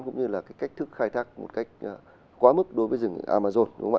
cũng như là cái cách thức khai thác một cách quá mức đối với rừng amazon đúng không ạ